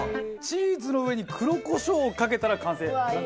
チーズの上に黒コショウをかけたら完成。